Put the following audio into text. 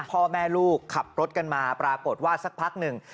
พ่อแม่ลูกขับรถกันมาปรากฏว่าสักพักหนึ่ง